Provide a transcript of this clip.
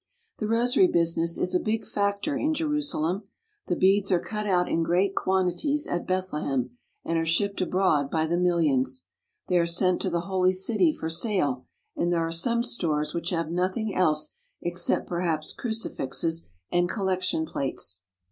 The rosary business is a big factor in Jerusalem The beads are cut out in great quantities at Bethlehem and are shipped abroad by the millions. They are sent to the Holy City for sale, and there are some stores which have nothing else except perhaps crucifixes and collection plates.